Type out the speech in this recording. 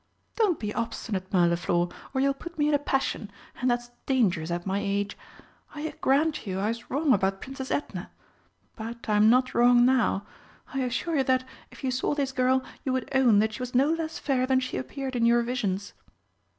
"Don't be obstinate, Mirliflor, or you'll put me in a passion, and that's dangerous at my age. I grant you I was wrong about Princess Edna. But I'm not wrong now. I assure you that, if you saw this girl, you would own that she was no less fair than she appeared in your visions."